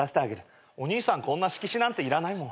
お兄さんこんな色紙なんていらないもん。